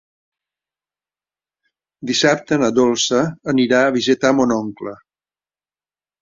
Dissabte na Dolça anirà a visitar mon oncle.